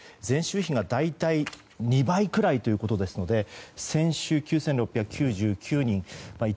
前週比が大体２倍くらいということですので先週９６９９人。